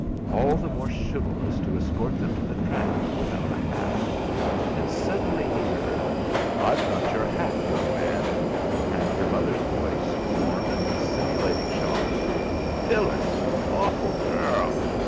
All the more chivalrous to escort them to the tram without a hat! And suddenly he heard: "I've got your hat, young man!" And her mother's voice, warm, and simulating shock: "Phyllis, you awful gairl!